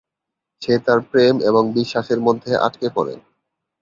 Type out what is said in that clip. সে তার প্রেম এবং বিশ্বাসের মধ্যে আটকে পড়ে।